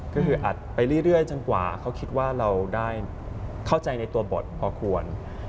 ก็คืออัดไปเรื่อยจนกว่าเขาคิดว่าเราได้เข้าใจในตัวบทพอควร